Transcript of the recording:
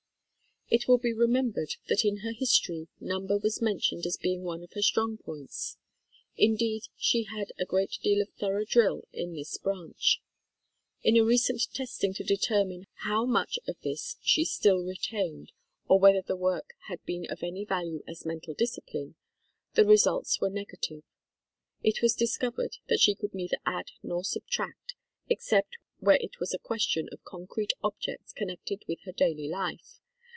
It will be remembered that in her history, number was mentioned as being one of her strong points. In deed, she had a great deal of thorough drill in this branch. In a recent testing to determine how much of this she still retained, or whether the work had been of any value as mental discipline, the results were nega tive. It was discovered that she could neither add nor subtract, except where it was a question of con crete objects connected with her daily life.